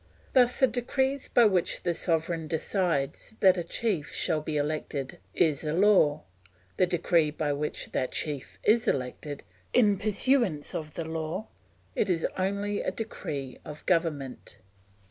Thus the decrees by which the sovereign decides that a chief shall be elected is a law; the decree by which that chief is elected, in pursuance of the law, is only a decree of government.